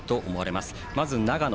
まず長野。